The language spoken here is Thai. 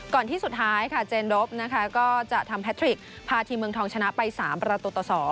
ที่สุดท้ายค่ะเจนรบนะคะก็จะทำแททริกพาทีมเมืองทองชนะไป๓ประตูต่อ๒